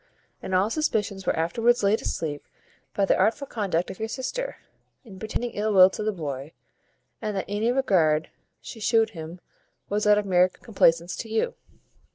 And all suspicions were afterwards laid asleep by the artful conduct of your sister, in pretending ill will to the boy, and that any regard she shewed him was out of meer complacence to you."